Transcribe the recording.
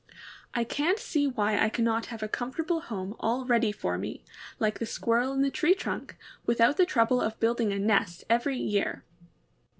I can't see why I cannot have a comfortable home all ready 160 HOW THE WIND FIXED MATTERS. for me, like the Squirrel in the tree trunk, with out the trouble of building a nest every year."